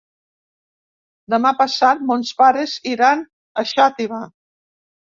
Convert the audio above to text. Demà passat mons pares iran a Xàtiva.